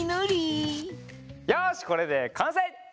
よしこれでかんせい！